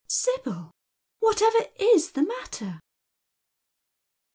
" Sibyl, whatever is the matter